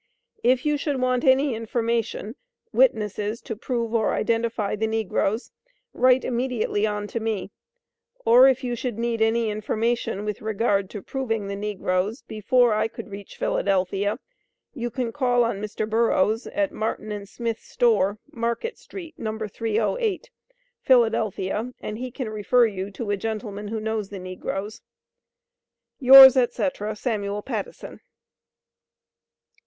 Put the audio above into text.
If you should want any information, witnesses to prove or indentify the negroes, write immediately on to me. Or if you should need any information with regard to proving the negroes, before I could reach Philadelphia, you can call on Mr. Burroughs at Martin & Smith's store, Market Street, No 308. Phila and he can refer you to a gentleman who knows the negroes. Yours &c SAML. PATTISON.